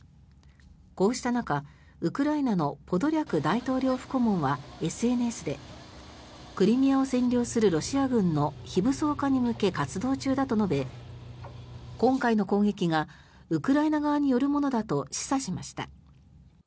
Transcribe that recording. こうした中、ウクライナのポドリャク大統領府顧問はＳＮＳでクリミアを占領するロシア軍の非武装化に向け活動中だと述べ、今回の攻撃がウクライナ側によるものだと示唆しました。